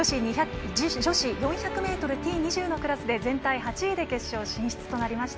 女子４００ｍＴ２０のクラスで全体８位で決勝進出となりました。